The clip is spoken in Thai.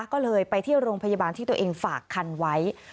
ก็เลยไปที่โรงพยาบาลที่ตัวเองฝากคันไว้